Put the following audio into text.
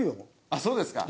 あっそうですか？